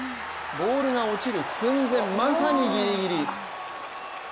ボールが落ちる寸前、まさにぎりぎり。